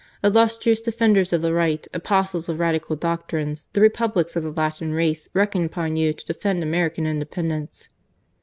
... Illustrious defenders of the right, apostles of Radical doctrines, the Republics of th^ Latin race reckon upon you to defend American Independence."